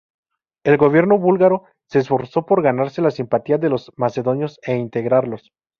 El gobierno búlgaro se esforzó por ganarse la simpatía de los macedonios e integrarlos.